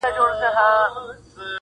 نورو ټولو به وهل ورته ټوپونه-